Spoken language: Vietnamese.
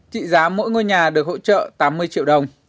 trị giá mỗi ngôi nhà được hỗ trợ tám mươi triệu đồng